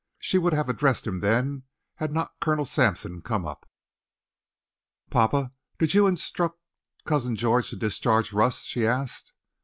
She would have addressed him then, had not Colonel Sampson come up. "Papa, did you instruct Cousin George to discharge Russ?" she asked.